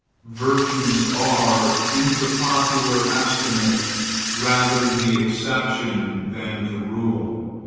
Virtues are, in the popular estimate, rather the exception than the rule.